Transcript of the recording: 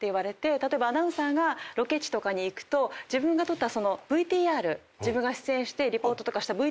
例えばアナウンサーがロケ地とかに行くと自分が撮ったＶＴＲ。